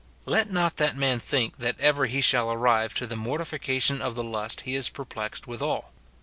Let not that man think that ever he shall arrive to the mortifica tion of the lust he is perplexed withal.